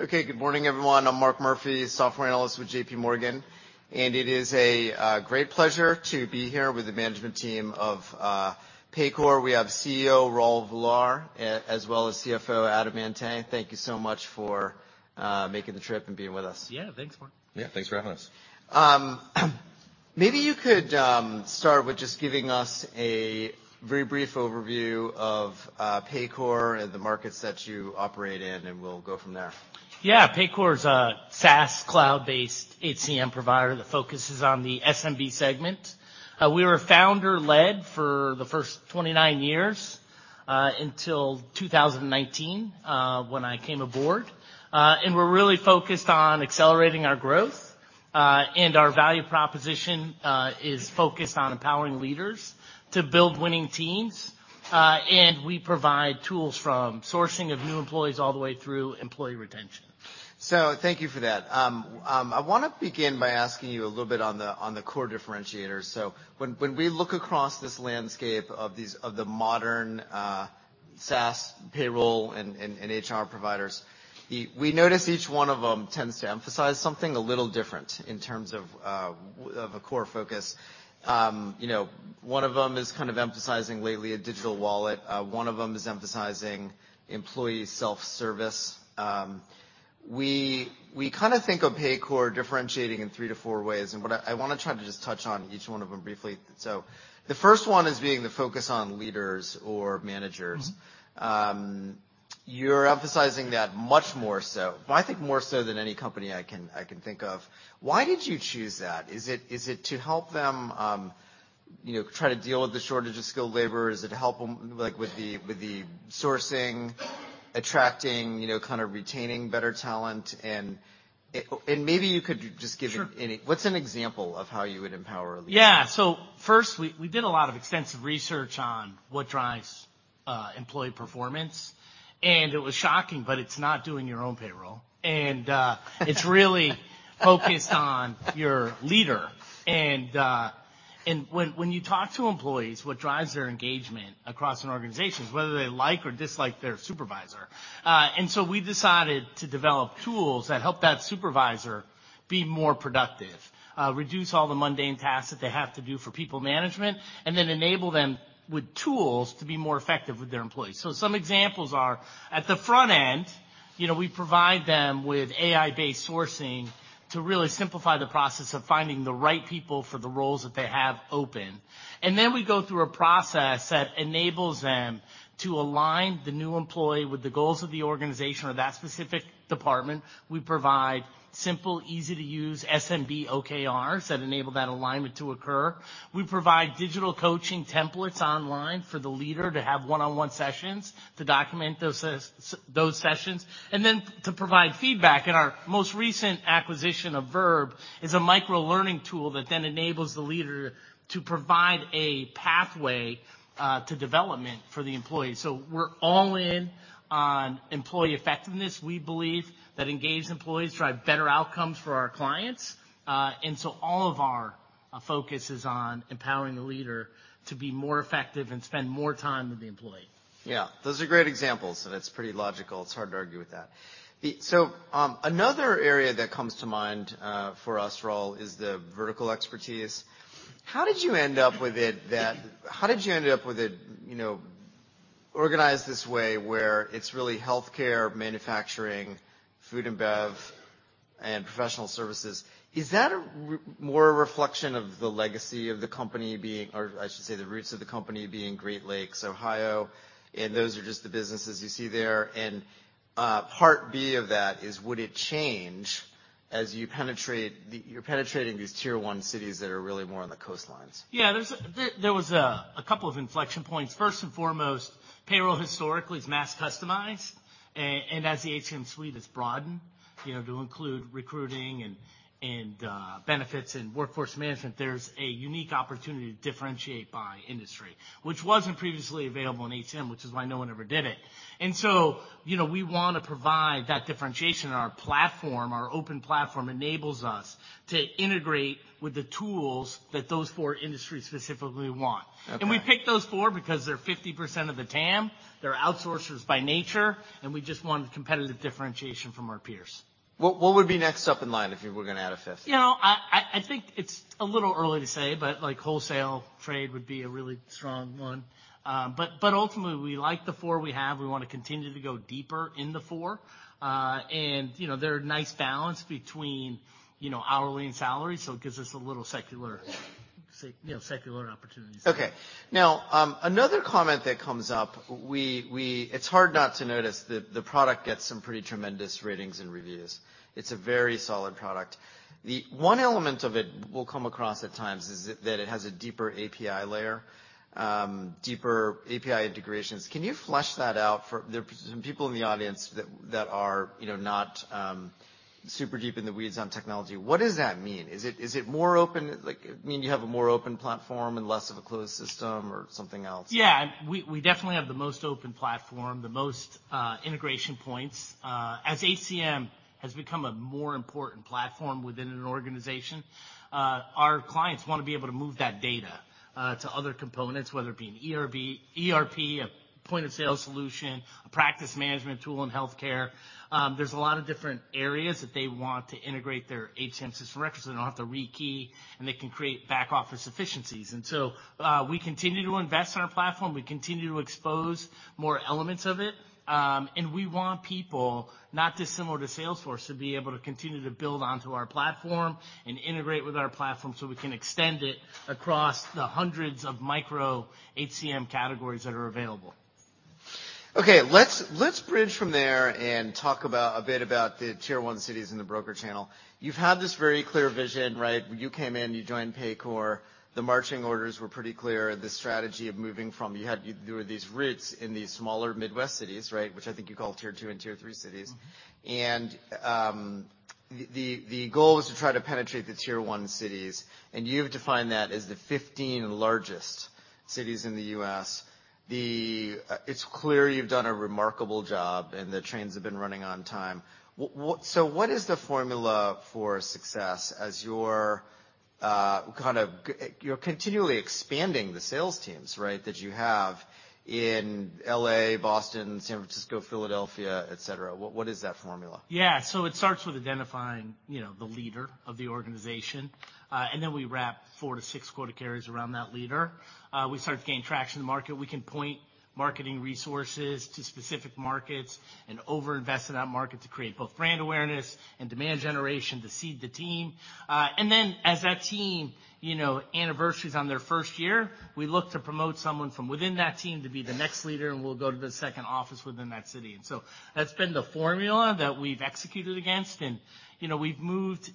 Okay. Good morning, everyone. I'm Mark Murphy, software analyst with J.P. Morgan, it is a great pleasure to be here with the management team of Paycor. We have CEO Raul Villar, as well as CFO Adam Ante. Thank you so much for making the trip and being with us. Yeah. Thanks, Mark. Yeah, thanks for having us. Maybe you could start with just giving us a very brief overview of Paycor and the markets that you operate in. We'll go from there. Yeah. Paycor is a SaaS cloud-based HCM provider that focuses on the SMB segment. We were founder-led for the first 29 years, until 2019, when I came aboard. We're really focused on accelerating our growth, and our value proposition is focused on empowering leaders to build winning teams. We provide tools from sourcing of new employees all the way through employee retention. Thank you for that. I wanna begin by asking you a little bit on the core differentiators. When we look across this landscape of these of the modern SaaS payroll and HR providers, we notice each one of them tends to emphasize something a little different in terms of of a core focus. You know, one of them is kind of emphasizing lately a digital wallet. One of them is emphasizing employee self-service. We kinda think of Paycor differentiating in three to four ways, and what I wanna try to just touch on each one of them briefly. The first one is being the focus on leaders or managers. Mm-hmm. You're emphasizing that much more so, but I think more so than any company I can think of. Why did you choose that? Is it to help them, you know, try to deal with the shortage of skilled labor? Is it to help them, like, with the sourcing, attracting, you know, kind of retaining better talent? Sure. What's an example of how you would empower a leader? Yeah. first, we did a lot of extensive research on what drives employee performance, and it was shocking, but it's not doing your own payroll. It's really focused on your leader. When you talk to employees, what drives their engagement across an organization is whether they like or dislike their supervisor. We decided to develop tools that help that supervisor be more productive, reduce all the mundane tasks that they have to do for people management, and then enable them with tools to be more effective with their employees. Some examples are, at the front end, you know, we provide them with AI-based sourcing to really simplify the process of finding the right people for the roles that they have open. We go through a process that enables them to align the new employee with the goals of the organization or that specific department. We provide simple, easy-to-use SMB OKRs that enable that alignment to occur. We provide digital coaching templates online for the leader to have one-on-one sessions, to document those sessions, and then to provide feedback. Our most recent acquisition of Verb is a microlearning tool that then enables the leader to provide a pathway to development for the employee. We're all in on employee effectiveness. We believe that engaged employees drive better outcomes for our clients. All of our focus is on empowering the leader to be more effective and spend more time with the employee. Yeah. Those are great examples, and it's pretty logical. It's hard to argue with that. Another area that comes to mind for us, Raul, is the vertical expertise. How did you end up with it, you know, organized this way, where it's really healthcare, manufacturing, food and bev, and professional services? Is that a more a reflection of the legacy of the company being... or I should say, the roots of the company being Great Lakes, Ohio, and those are just the businesses you see there? Part B of that is, would it change as you penetrate... you're penetrating these Tier 1 cities that are really more on the coastlines? Yeah. There's a couple of inflection points. First and foremost, payroll historically is mass customized. As the HCM suite has broadened, you know, to include recruiting and benefits and workforce management, there's a unique opportunity to differentiate by industry, which wasn't previously available in HCM, which is why no one ever did it. You know, we wanna provide that differentiation in our platform. Our open platform enables us to integrate with the tools that those four industries specifically want. Okay. We picked those four because they're 50% of the TAM, they're outsourcers by nature, and we just wanted competitive differentiation from our peers. What would be next up in line if you were gonna add a 1/5? You know, I think it's a little early to say, but, like, wholesale trade would be a really strong one. Ultimately, we like the four we have. We wanna continue to go deeper in the four. You know, they're a nice balance between, you know, hourly and salary, so it gives us a little secular opportunities. Now, another comment that comes up. It's hard not to notice that the product gets some pretty tremendous ratings and reviews. It's a very solid product. The one element of it we'll come across at times is that it has a deeper API layer, deeper API integrations. Can you flesh that out for? There are some people in the audience that are, you know, not super deep in the weeds on technology. What does that mean? Is it, is it more open? Like, mean you have a more open platform and less of a closed system or something else? Yeah. We definitely have the most open platform, the most integration points. As HCM has become a more important platform within an organization, our clients wanna be able to move that data to other components, whether it be an ERP, a point-of-sale solution, a practice management tool in healthcare. There's a lot of different areas that they want to integrate their HCM system records so they don't have to rekey, and they can create back-office efficiencies. We continue to invest in our platform. We continue to expose more elements of it, and we want people, not dissimilar to Salesforce, to be able to continue to build onto our platform and integrate with our platform so we can extend it across the hundreds of micro HCM categories that are available. Okay. Let's bridge from there and talk about a bit about the Tier 1 cities and the broker channel. You've had this very clear vision, right? You came in, you joined Paycor. The marching orders were pretty clear. The strategy of moving from. There were these roots in these smaller Midwest cities, right? Which I think you call Tier 2 and Tier 3 cities. Mm-hmm. The goal was to try to penetrate the Tier 1 cities, and you've defined that as the 15 largest cities in the U.S. It's clear you've done a remarkable job, and the trains have been running on time. What is the formula for success as you're continually expanding the sales teams, right, that you have in L.A., Boston, San Francisco, Philadelphia, et cetera. What is that formula? It starts with identifying, you know, the leader of the organization, and then we wrap four to 6 quota carriers around that leader. We start to gain traction in the market. We can point marketing resources to specific markets and over-invest in that market to create both brand awareness and demand generation to seed the team. Then as that team, you know, anniversaries on their first year, we look to promote someone from within that team to be the next leader, and we'll go to the second office within that city. That's been the formula that we've executed against. You know, we've moved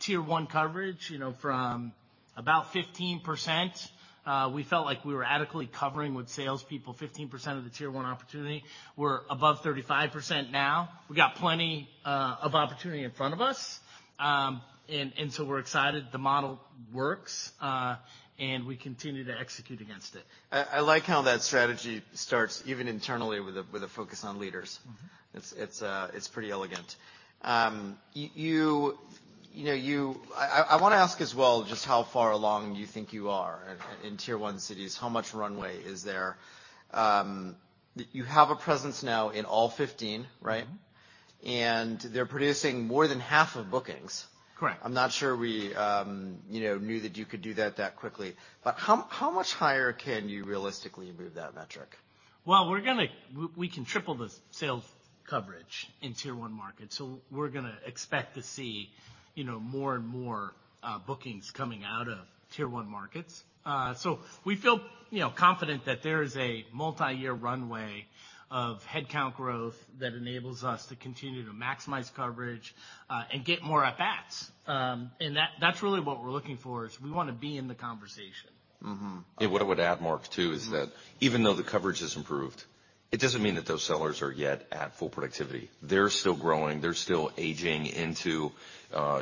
Tier 1 coverage, you know, from about 15%. We felt like we were adequately covering with salespeople 15% of the Tier 1 opportunity. We're above 35% now. We got plenty of opportunity in front of us, and so we're excited the model works, and we continue to execute against it. I like how that strategy starts even internally with a focus on leaders. Mm-hmm. It's pretty elegant. You know, I wanna ask as well just how far along you think you are in Tier 1 cities. How much runway is there? You have a presence now in all 15, right? Mm-hmm. They're producing more than half of bookings. Correct. I'm not sure we, you know, knew that you could do that that quickly. How much higher can you realistically move that metric? Well, we're gonna triple the sales coverage in Tier 1 markets, we're gonna expect to see, you know, more and more bookings coming out of Tier 1 markets. We feel, you know, confident that there is a multiyear runway of headcount growth that enables us to continue to maximize coverage and get more at-bats. That's really what we're looking for is we wanna be in the conversation. Mm-hmm. Yeah. What I would add, Mark, too, is that even though the coverage has improved, it doesn't mean that those sellers are yet at full productivity. They're still growing. They're still aging into,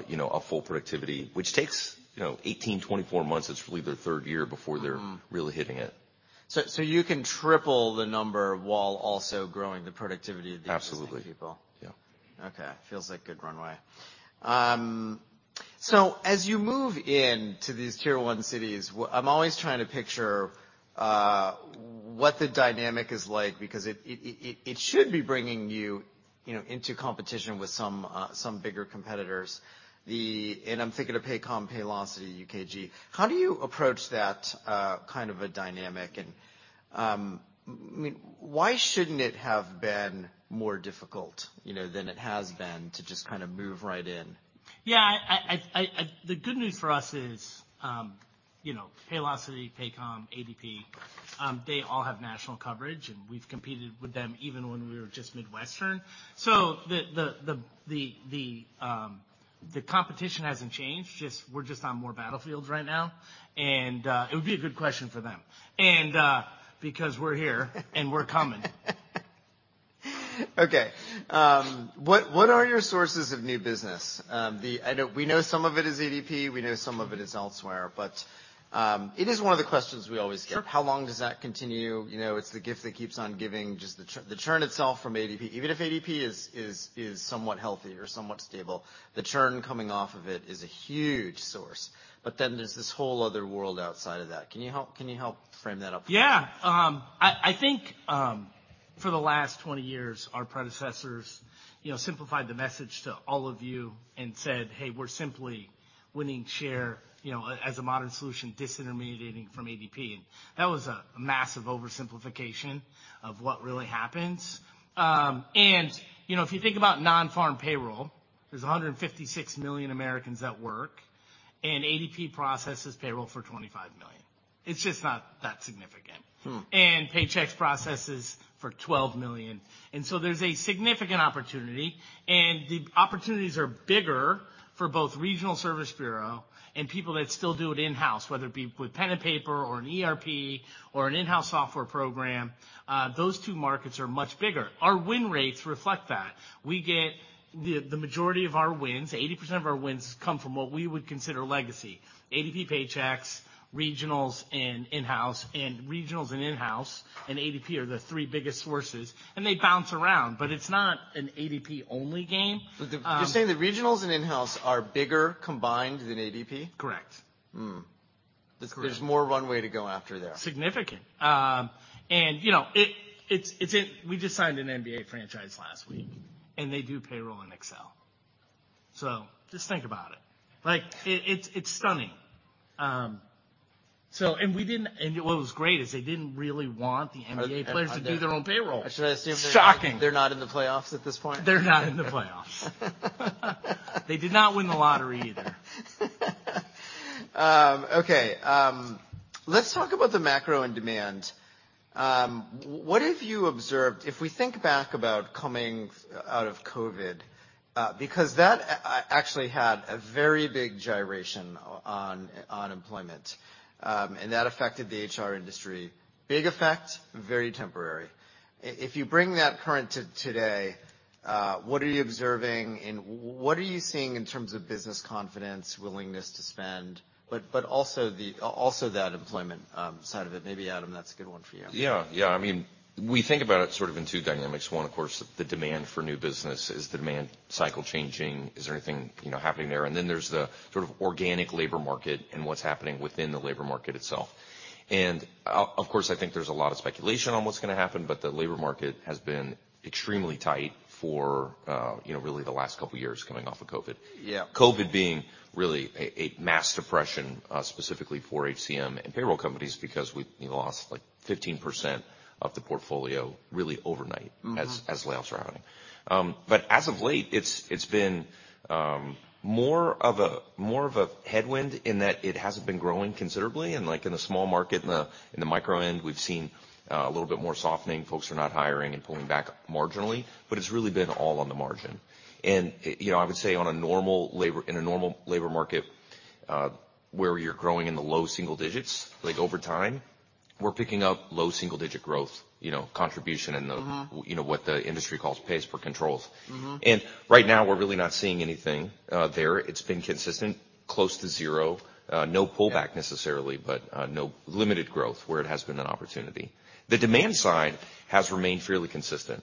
you know, a full productivity, which takes, you know, 18, 24 months. It's really their third year before they're. Mm-hmm. really hitting it. you can triple the number while also growing the productivity of the existing people. Absolutely. Yeah. Okay. Feels like good runway. As you move into these Tier 1 cities, I'm always trying to picture what the dynamic is like because it should be bringing you know, into competition with some bigger competitors. I'm thinking of Paycor, Paylocity, UKG. How do you approach that kind of a dynamic? I mean, why shouldn't it have been more difficult, you know, than it has been to just kind of move right in? Yeah. The good news for us is, you know, Paylocity, Paycor, ADP, they all have national coverage, and we've competed with them even when we were just Midwestern. The competition hasn't changed, we're just on more battlefields right now. It would be a good question for them and because we're here, and we're coming. Okay. What, what are your sources of new business? I know we know some of it is ADP. We know some of it is elsewhere, but, it is one of the questions we always get. Sure. How long does that continue? You know, it's the gift that keeps on giving, just the churn itself from ADP. Even if ADP is somewhat healthy or somewhat stable, the churn coming off of it is a huge source. There's this whole other world outside of that. Can you help frame that up for me? Yeah. I think, for the last 20 years, our predecessors, you know, simplified the message to all of you and said, "Hey, we're simply winning share, you know, as a modern solution, disintermediating from ADP." That was a massive oversimplification of what really happens. You know, if you think about non-farm payroll, there's 156 million Americans that work, and ADP processes payroll for 25 million. It's just not that significant. Hmm. Paychex processes for $12 million. There's a significant opportunity, and the opportunities are bigger for both regional service bureau and people that still do it in-house. Whether it be with pen and paper or an ERP or an in-house software program, those two markets are much bigger. Our win rates reflect that. We get... The majority of our wins, 80% of our wins come from what we would consider legacy, ADP, Paychex, regionals, and in-house. Regionals and in-house and ADP are the three biggest sources, and they bounce around, but it's not an ADP-only game. You're saying the regionals and in-house are bigger combined than ADP? Correct. There's more runway to go after there. Significant. You know, we just signed an NBA franchise last week, and they do payroll in Excel. Just think about it. Like, it's stunning. What was great is they didn't really want the NBA- Are they?... players to do their own payroll. Should I assume they're-? Shocking. They're not in the playoffs at this point? They're not in the playoffs. They did not win the lottery either. Okay. Let's talk about the macro and demand. What have you observed? If we think back about coming out of COVID, because that actually had a very big gyration on employment, and that affected the HR industry. Big effect, very temporary. If you bring that current to today, what are you observing, and what are you seeing in terms of business confidence, willingness to spend, but also that employment side of it? Maybe Adam, that's a good one for you. Yeah. Yeah. I mean, we think about it sort of in two dynamics. 1, of course, the demand for new business. Is the demand cycle changing? Is there anything, you know, happening there? Then there's the sort of organic labor market and what's happening within the labor market itself. Of course, I think there's a lot of speculation on what's gonna happen, but the labor market has been extremely tight for, you know, really the last couple of years coming off of COVID. Yeah. COVID being really a mass depression, specifically for HCM and payroll companies, because we, you know, lost, like, 15% of the portfolio really overnight. Mm-hmm... as layoffs were happening. As of late, it's been more of a headwind in that it hasn't been growing considerably. Like, in the small market, in the micro end, we've seen a little bit more softening. Folks are not hiring and pulling back marginally, but it's really been all on the margin. You know, I would say in a normal labor market, where you're growing in the low single digits, like over time, we're picking up low single-digit growth, you know, contribution in the- Mm-hmm... you know, what the industry calls pays per control. Mm-hmm. Right now we're really not seeing anything, there. It's been consistent, close to 0. No pullback... Yeah... necessarily, but limited growth where it has been an opportunity. The demand side has remained fairly consistent.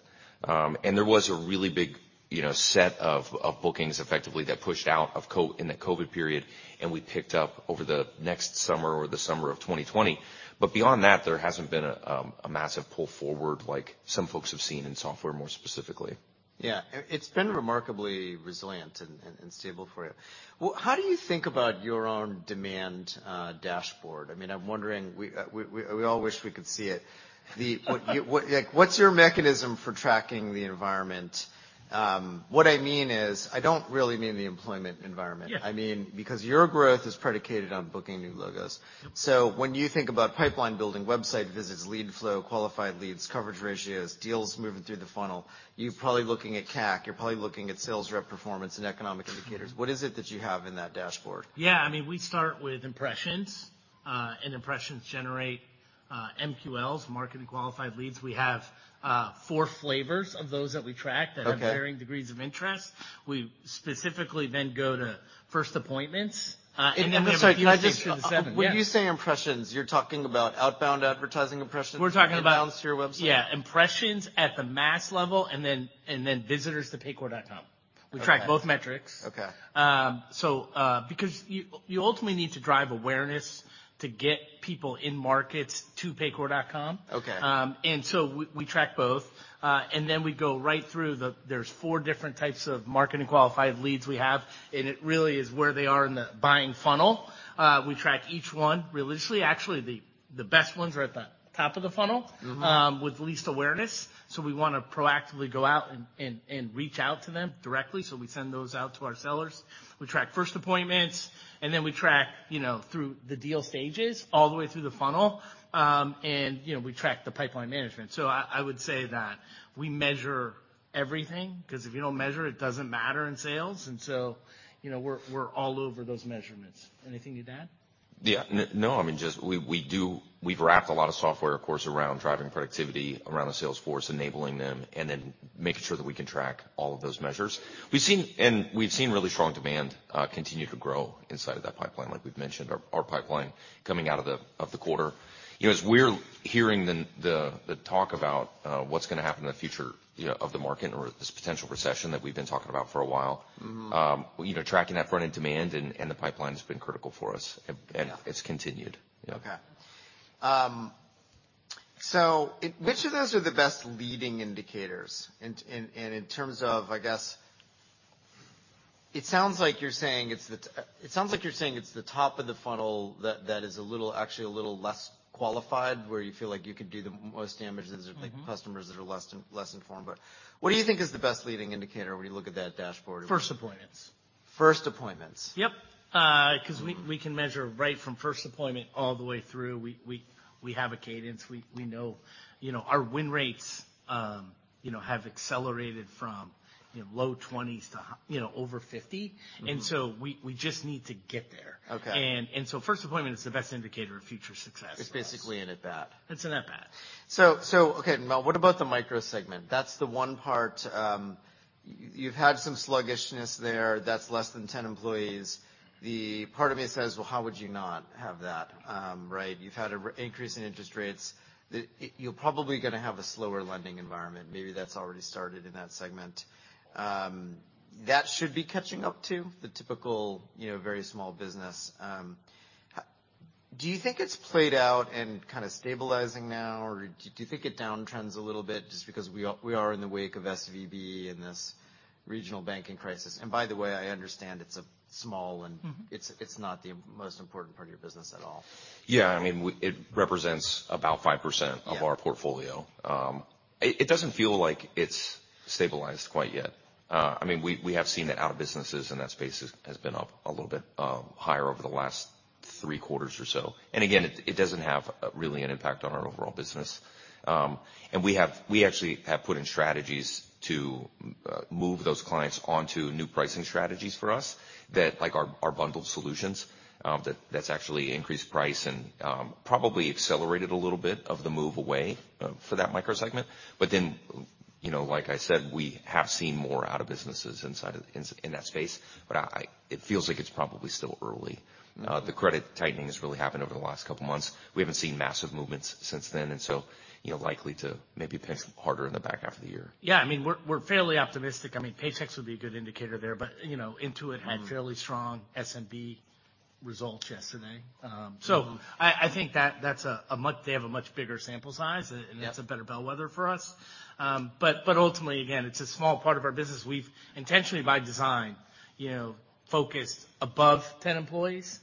There was a really big, you know, set of bookings effectively that pushed out of core in the COVID period, and we picked up over the next summer or the summer of 2020. Beyond that, there hasn't been a massive pull forward like some folks have seen in software, more specifically. Yeah. It, it's been remarkably resilient and stable for you. Well, how do you think about your own demand dashboard? I mean, I'm wondering, we all wish we could see it. Like, what's your mechanism for tracking the environment? What I mean is, I don't really mean the employment environment. Yeah. I mean, because your growth is predicated on booking new logos. Yep. When you think about pipeline building, website visits, lead flow, qualified leads, coverage ratios, deals moving through the funnel, you're probably looking at CAC, you're probably looking at sales rep performance and economic indicators. What is it that you have in that dashboard? Yeah. I mean, we start with impressions. Impressions generate MQLs, Marketing Qualified Leads. We have four flavors of those that we track. Okay that have varying degrees of interest. We specifically then go to first appointments. I'm sorry, can I?... through the seven. Yeah. When you say impressions, you're talking about outbound advertising impressions. We're talking about.... inbound to your website? Yeah. Impressions at the mass level, and then visitors to paycor.com. Okay. We track both metrics. Okay. Because you ultimately need to drive awareness to get people in markets to paycor.com. Okay. We track both. We go right through. There's four different types of Marketing Qualified Leads we have, and it really is where they are in the buying funnel. We track each one religiously. Actually, the best ones are at the top of the funnel. Mm-hmm... with least awareness, so we wanna proactively go out and reach out to them directly. We send those out to our sellers. We track first appointments, and then we track, you know, through the deal stages all the way through the funnel. You know, we track the pipeline management. I would say that we measure everything, 'cause if you don't measure, it doesn't matter in sales. You know, we're all over those measurements. Anything to add? Yeah. No, I mean, just We've wrapped a lot of software, of course, around driving productivity around the sales force, enabling them, and then making sure that we can track all of those measures. We've seen really strong demand continue to grow inside of that pipeline, like we've mentioned, our pipeline coming out of the quarter. You know, as we're hearing the talk about what's gonna happen in the future, you know, of the market or this potential recession that we've been talking about for a while. Mm-hmm... you know, tracking that front-end demand and the pipeline has been critical for us. Yeah. It's continued. Yeah. Which of those are the best leading indicators in terms of, I guess? It sounds like you're saying it's the top of the funnel that is a little, actually a little less qualified, where you feel like you could do the most damage. Mm-hmm. These are like customers that are less informed. What do you think is the best leading indicator when you look at that dashboard? First appointments. First appointments? Yep. Mm-hmm... we can measure right from first appointment all the way through. We have a cadence. We know, you know, our win rates, you know, have accelerated from, you know, low 20s to, you know, over 50. Mm-hmm. We just need to get there. Okay. First appointment is the best indicator of future success. It's basically an at-bat. It's an at-bat. Okay. Now, what about the micro segment? That's the one part, you've had some sluggishness there. That's less than 10 employees. Part of me says, "Well, how would you not have that," right? You've had a increase in interest rates. You're probably gonna have a slower lending environment. Maybe that's already started in that segment. That should be catching up too, the typical, you know, very small business. Do you think it's played out and kind of stabilizing now, or do you think it downtrends a little bit just because we are in the wake of SVB and this regional banking crisis? By the way, I understand it's a small and- Mm-hmm. It's not the most important part of your business at all. Yeah. I mean, it represents about 5%- Yeah. -of our portfolio. It, it doesn't feel like it's stabilized quite yet. I mean, we have seen that out of businesses and that space has been up a little bit higher over the last three quarters or so. It, it doesn't have really an impact on our overall business. We actually have put in strategies to move those clients onto new pricing strategies for us that... Like our bundled solutions, that's actually increased price and probably accelerated a little bit of the move away for that microsegment. You know, like I said, we have seen more out of businesses inside of in that space, but It feels like it's probably still early. Mm-hmm. The credit tightening has really happened over the last couple months. We haven't seen massive movements since then. You know, likely to maybe pick some harder in the back half of the year. Yeah. I mean, we're fairly optimistic. I mean, Paychex would be a good indicator there, but, you know. Mm-hmm. -had fairly strong SMB results yesterday. I think that that's a. They have a much bigger sample size. Yeah. That's a better bellwether for us. Ultimately, again, it's a small part of our business. We've intentionally by design, you know, focused above 10 employees,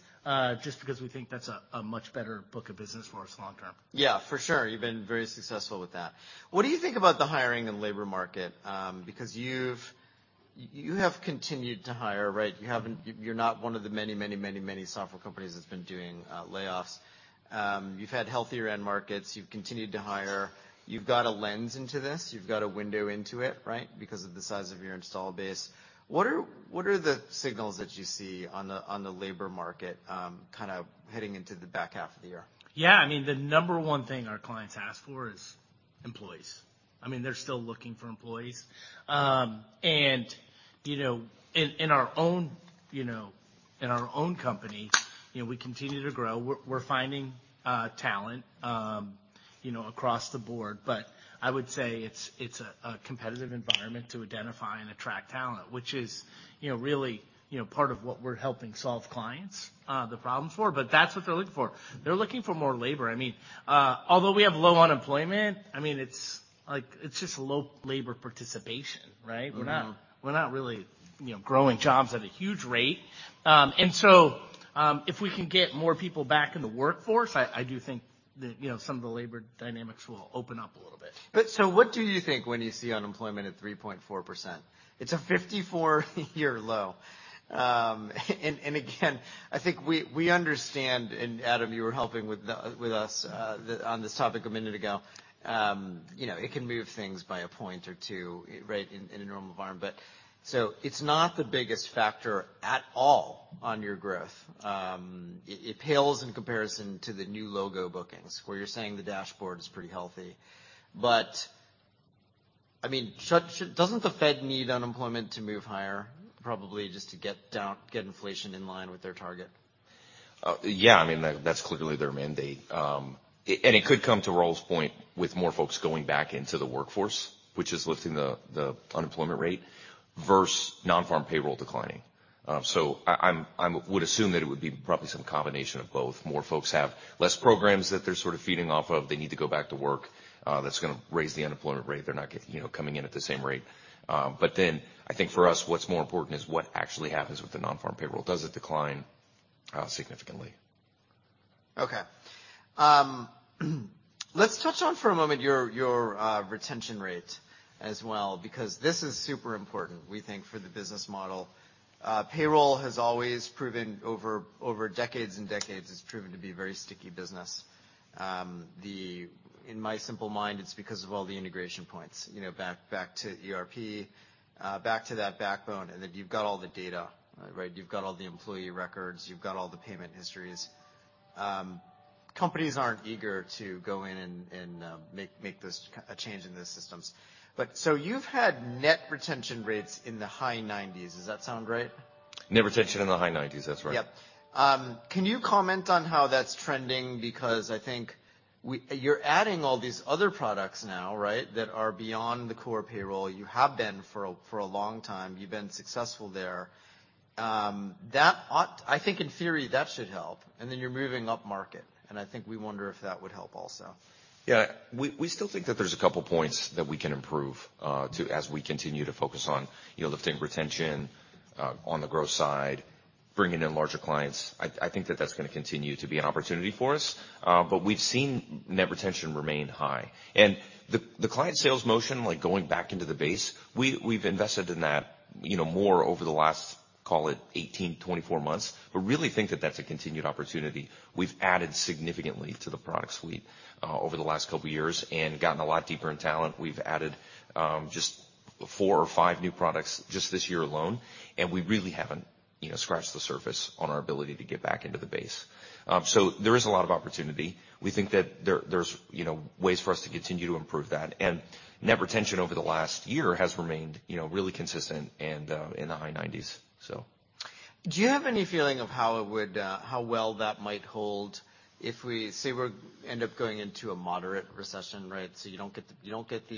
just because we think that's a much better book of business for us long term. Yeah, for sure. You've been very successful with that. What do you think about the hiring and labor market? Because you've continued to hire, right? You're not one of the many software companies that's been doing layoffs. You've had healthier end markets. You've continued to hire. You've got a lens into this. You've got a window into it, right? Because of the size of your install base. What are the signals that you see on the labor market kind of heading into the back half of the year? Yeah. I mean, the number one thing our clients ask for is employees. I mean, they're still looking for employees. And, you know, in our own, you know, in our own company, you know, we continue to grow. We're finding talent, you know, across the board. I would say it's a competitive environment to identify and attract talent, which is, you know, really, you know, part of what we're helping solve clients the problems for. That's what they're looking for. They're looking for more labor. I mean, although we have low unemployment, I mean, it's like, it's just low labor participation, right? Mm-hmm. We're not really, you know, growing jobs at a huge rate. If we can get more people back in the workforce, I do think that, you know, some of the labor dynamics will open up a little bit. What do you think when you see unemployment at 3.4%? It's a 54-year low. And again, I think we understand, and Adam, you were helping with us on this topic a minute ago. You know, it can move things by a point or two, right, in a normal environment. It's not the biggest factor at all on your growth. It pales in comparison to the new logo bookings where you're saying the dashboard is pretty healthy. I mean, doesn't the Fed need unemployment to move higher probably just to get down, get inflation in line with their target? Yeah. I mean, that's clearly their mandate. It could come to Raul's point with more folks going back into the workforce, which is lifting the unemployment rate versus Non-farm payroll declining. I would assume that it would be probably some combination of both. More folks have less programs that they're sort of feeding off of. They need to go back to work. That's gonna raise the unemployment rate. They're not you know, coming in at the same rate. I think for us, what's more important is what actually happens with the Non-farm payroll. Does it decline significantly? Okay. Let's touch on for a moment your retention rate as well, because this is super important, we think, for the business model. Payroll has always proven over decades and decades, it's proven to be very sticky business. In my simple mind, it's because of all the integration points, you know, back to ERP, back to that backbone, and then you've got all the data, right? You've got all the employee records. You've got all the payment histories. Companies aren't eager to go in and make this a change in their systems. You've had net retention rates in the high 90s. Does that sound right? Net retention in the high nineties. That's right. Yep. Can you comment on how that's trending? You're adding all these other products now, right, that are beyond the core payroll. You have been for a long time. You've been successful there. I think in theory, that should help. You're moving upmarket, I think we wonder if that would help also. Yeah. We still think that there's a couple points that we can improve as we continue to focus on, you know, lifting retention on the growth side, bringing in larger clients. I think that that's gonna continue to be an opportunity for us. We've seen net retention remain high. The client sales motion, like going back into the base, we've invested in that, you know, more over the last, call it 18, 24 months. We really think that that's a continued opportunity. We've added significantly to the product suite over the last couple years and gotten a lot deeper in talent. We've added just 4 or 5 new products just this year alone, and we really haven't, you know, scratched the surface on our ability to get back into the base. There is a lot of opportunity. We think that there's, you know, ways for us to continue to improve that. Net retention over the last year has remained, you know, really consistent in the high nineties, so. Do you have any feeling of how it would, how well that might hold if we, say, we're end up going into a moderate recession, right? You don't get the, you don't get the,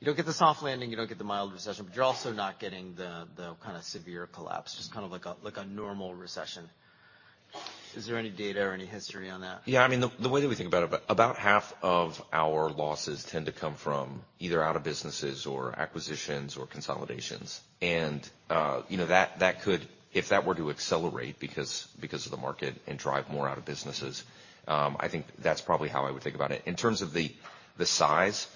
you don't get the soft landing, you don't get the mild recession, but you're also not getting the kind of severe collapse, just kind of like a, like a normal recession. Is there any data or any history on that? Yeah. I mean, the way that we think about it, about half of our losses tend to come from either out of businesses or acquisitions or consolidations. You know, if that were to accelerate because of the market and drive more out of businesses, I think that's probably how I would think about it. In terms of the size,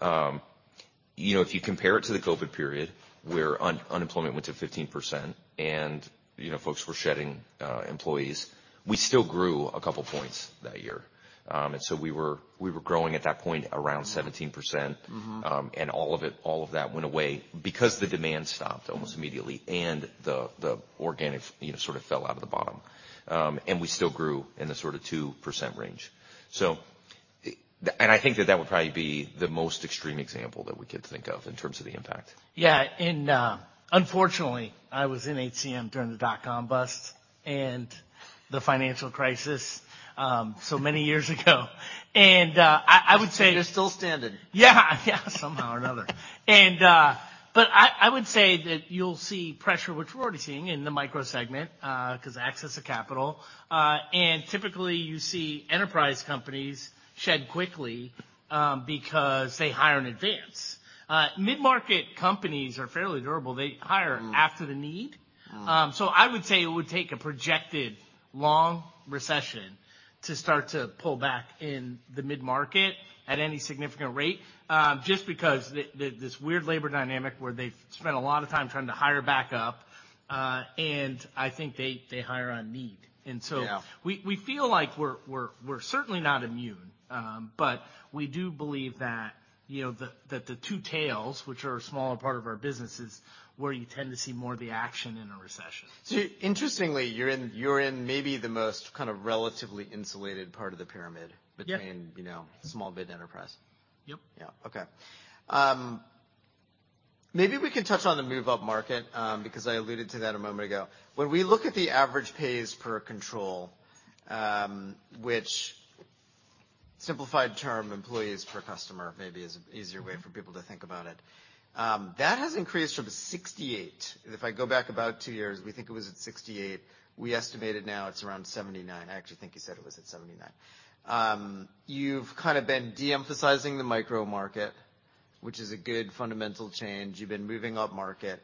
you know, if you compare it to the COVID period, where unemployment went to 15% and, you know, folks were shedding employees, we still grew a couple points that year. We were growing at that point around 17%. Mm-hmm. All of it, all of that went away because the demand stopped almost immediately, and the organic, you know, sort of fell out of the bottom. We still grew in the sort of 2% range. I think that that would probably be the most extreme example that we could think of in terms of the impact. Yeah. Unfortunately, I was in HCM during the dot-com bust and the financial crisis, so many years ago. I would say You're still standing. Yeah. Yeah. Somehow or another. I would say that you'll see pressure, which we're already seeing in the micro segment, 'cause access to capital. Typically, you see enterprise companies shed quickly, because they hire in advance. Mid-market companies are fairly durable. They. Mm. after the need. Oh. I would say it would take a projected long recession to start to pull back in the mid-market at any significant rate, just because this weird labor dynamic where they've spent a lot of time trying to hire back up, and I think they hire on need. Yeah. We feel like we're certainly not immune. We do believe that, you know, the two tails, which are a smaller part of our business, is where you tend to see more of the action in a recession. Interestingly, you're in maybe the most kind of relatively insulated part of the pyramid. Yeah. Between, you know, small, mid, enterprise. Yep. Yeah. Okay. Maybe we can touch on the move-up market because I alluded to that a moment ago. When we look at the average pays per control, which simplified term employees per customer maybe is an easier way for people to think about it. That has increased from 68. If I go back about two years, we think it was at 68. We estimate it now it's around 79. I actually think you said it was at 79. You've kind of been de-emphasizing the micro market, which is a good fundamental change. You've been moving up market.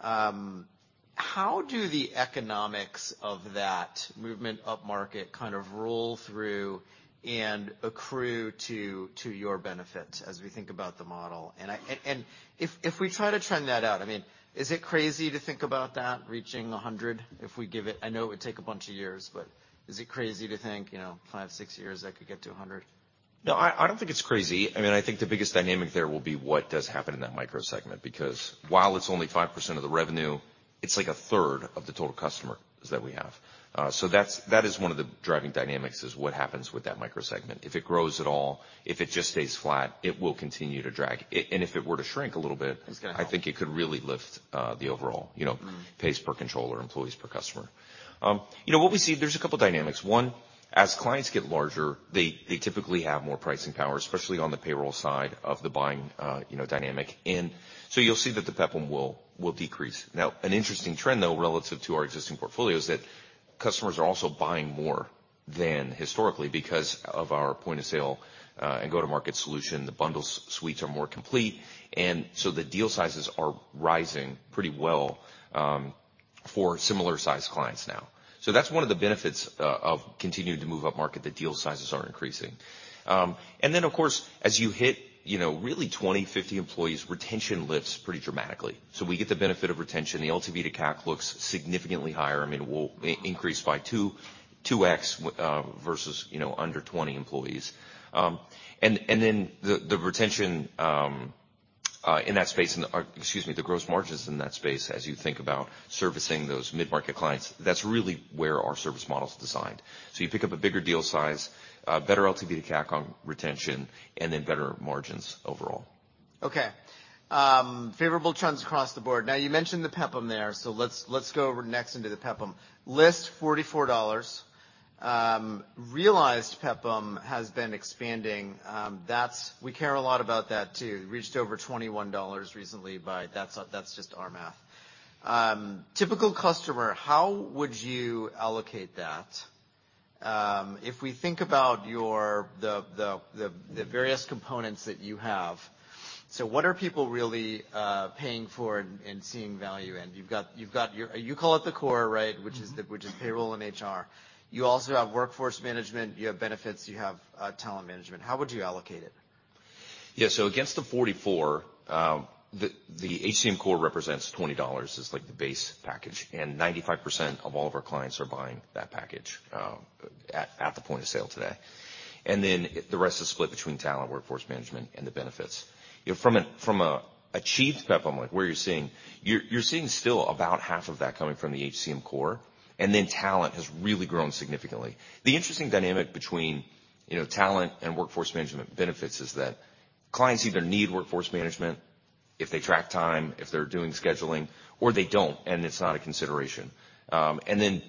How do the economics of that movement up market kind of roll through and accrue to your benefit as we think about the model? I. If we try to trend that out, I mean, is it crazy to think about that reaching 100 if we give it... I know it would take a bunch of years, but is it crazy to think, you know, 5, 6 years that could get to 100? I don't think it's crazy. I mean, I think the biggest dynamic there will be what does happen in that micro segment. While it's only 5% of the revenue, it's like 1/3 of the total customers that we have. That is one of the driving dynamics, is what happens with that micro segment. If it grows at all, if it just stays flat, it will continue to drag. If it were to shrink a little bit- It's gonna help. I think it could really lift, the overall, you know... Mm. pays per control, employees per customer. You know what we see, there's a couple dynamics. One, as clients get larger, they typically have more pricing power, especially on the payroll side of the buying, you know, dynamic. You'll see that the PEPPM will decrease. An interesting trend, though, relative to our existing portfolio, is that customers are also buying more than historically because of our point-of-sale and go-to-market solution. The bundle suites are more complete, the deal sizes are rising pretty well for similar-sized clients now. That's one of the benefits of continuing to move up market. The deal sizes are increasing. Of course, as you hit, you know, really 20, 50 employees, retention lifts pretty dramatically. We get the benefit of retention. The LTV to CAC looks significantly higher. I mean, we'll increase by 2X versus, you know, under 20 employees. The retention, in that space, or, excuse me, the gross margins in that space as you think about servicing those mid-market clients, that's really where our service model is designed. You pick up a bigger deal size, better LTV to CAC on retention, and then better margins overall. Favorable trends across the board. You mentioned the PEPPM there, let's go over next into the PEPPM. List, $44. Realized PEPPM has been expanding. That's. We care a lot about that too. Reached over $21 recently, that's just our math. Typical customer, how would you allocate that? If we think about your the various components that you have. What are people really paying for and seeing value in? You've got your. You call it the core, right? Mm-hmm. Which is payroll and HR. You also have workforce management, you have benefits, you have talent management. How would you allocate it? Against the 44, the HCM core represents $20 as, like, the base package, and 95% of all of our clients are buying that package at the point of sale today. The rest is split between talent, workforce management, and the benefits. You know, from an achieved PEPPM, like, where you're seeing, you're seeing still about half of that coming from the HCM core, and then talent has really grown significantly. The interesting dynamic between, you know, talent and workforce management benefits is that clients either need workforce management if they track time, if they're doing scheduling, or they don't, and it's not a consideration.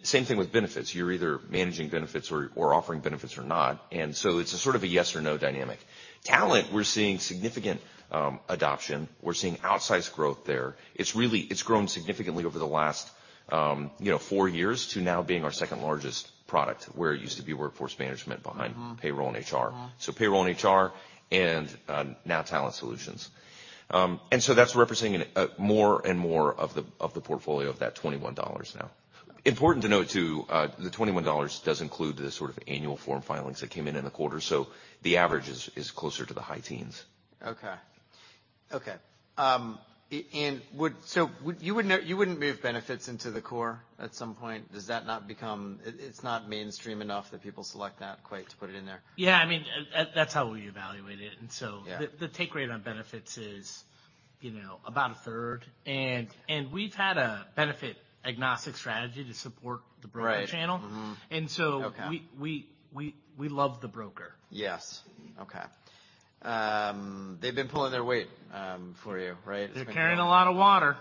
Same thing with benefits. You're either managing benefits or offering benefits or not. It's a sort of a yes or no dynamic. Talent, we're seeing significant adoption. We're seeing outsized growth there. It's grown significantly over the last. you know, four years to now being our second largest product, where it used to be workforce management. Mm-hmm. payroll and HR. Mm-hmm. Payroll and HR and now Talent solutions. That's representing more and more of the portfolio of that $21 now. Important to note, too, the $21 does include the sort of annual form filings that came in in the quarter. The average is closer to the high teens. Okay. Okay. And would you wouldn't move benefits into the core at some point? Does that not become... It's not mainstream enough that people select that quite to put it in there? Yeah, I mean, that's how we evaluate it. Yeah. The take rate on benefits is, you know, about a third. We've had a benefit-agnostic strategy to support the broker channel. Right. Mm-hmm. And so- Okay. We love the broker. Yes. Okay. They've been pulling their weight for you, right? They're carrying a lot of water.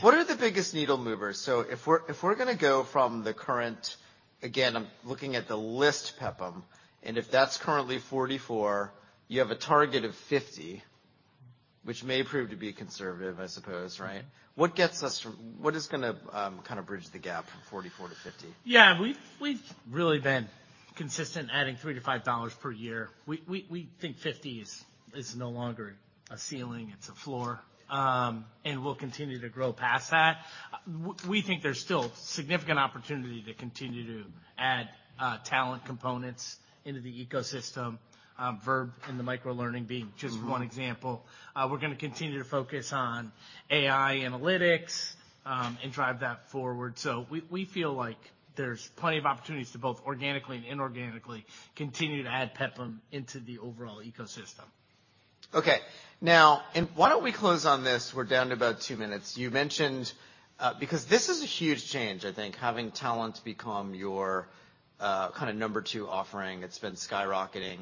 What are the biggest needle movers? If we're, if we're gonna go from the current... Again, I'm looking at the list, PEPM, and if that's currently $44 PEPM, you have a target of $50 PEPM, which may prove to be conservative, I suppose, right? What gets us from... What is gonna kind of bridge the gap from $44 PEPM to $50 PEPM? Yeah. We've really been consistent adding $3-$5 per year. We think $50 is no longer a ceiling, it's a floor. We'll continue to grow past that. We think there's still significant opportunity to continue to add talent components into the ecosystem, Verb and the microlearning being just one example. Mm-hmm. We're gonna continue to focus on AI analytics, and drive that forward. We, we feel like there's plenty of opportunities to both organically and inorganically continue to add PEPM into the overall ecosystem. Okay. Now, why don't we close on this? We're down to about two minutes. You mentioned, because this is a huge change, I think, having talent become your kind of number two offering. It's been skyrocketing.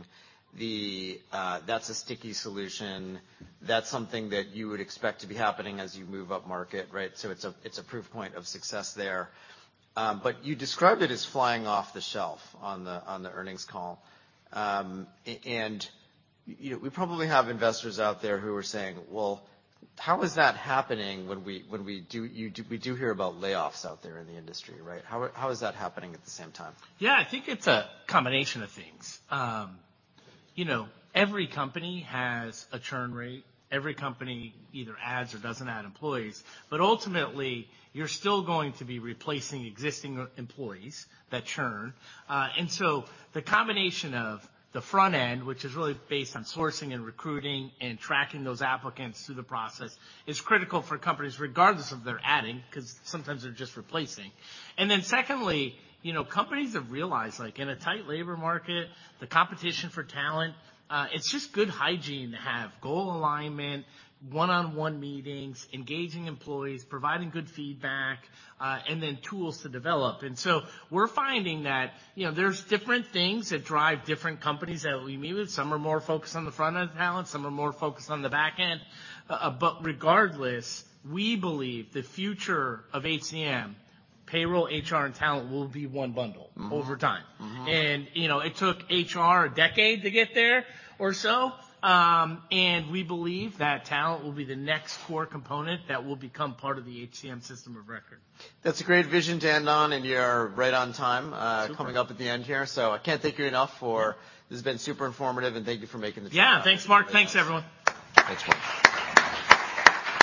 That's a sticky solution. That's something that you would expect to be happening as you move up market, right? It's a, it's a proof point of success there. You described it as flying off the shelf on the earnings call. You know, we probably have investors out there who are saying, "Well, how is that happening when we do hear about layoffs out there in the industry, right?" How is that happening at the same time? Yeah. I think it's a combination of things. You know, every company has a churn rate. Every company either adds or doesn't add employees. Ultimately, you're still going to be replacing existing employees that churn. The combination of the front end, which is really based on sourcing and recruiting and tracking those applicants through the process, is critical for companies regardless of their adding, 'cause sometimes they're just replacing. Secondly, you know, companies have realized, like in a tight labor market, the competition for talent, it's just good hygiene to have goal alignment, one-on-one meetings, engaging employees, providing good feedback, and then tools to develop. We're finding that, you know, there's different things that drive different companies that we meet with. Some are more focused on the front-end talent, some are more focused on the back end. Regardless, we believe the future of HCM, payroll, HR, and talent will be one bundle. Mm-hmm. over time. Mm-hmm. You know, it took HR a decade to get there or so. We believe that talent will be the next core component that will become part of the HCM system of record. That's a great vision to end on, and you're right on time. Super. Coming up at the end here. I can't thank you enough for. This has been super informative, and thank you for making the time. Yeah. Thanks, Mark. Thanks, everyone. Thanks.